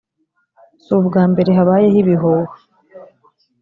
“Si ubwa mbere habayeho ibihuha